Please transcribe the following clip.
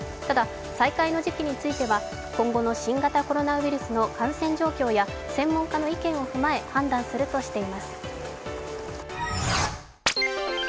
ただ、再開の時期については今後の新型コロナウイルスの感染状況や専門家の意見を踏まえ、判断するとしています。